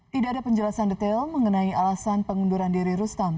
tidak ada penjelasan detail mengenai alasan pengunduran diri rustam